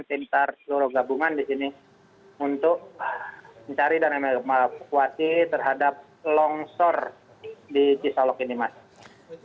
tim targabungan disini untuk mencari dan mengevakuasi terhadap longsor di sisolok ini mas